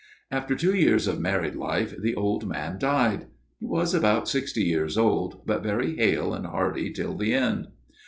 " After two years of married life the old man died. He was about sixty years old ; but very hale and hearty till the end.